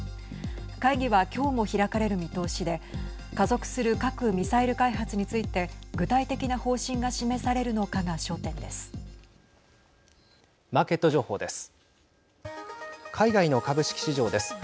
会議はきょうも開かれる見通しで加速する核・ミサイル開発について具体的な方針が示されるのかがマーケット情報です。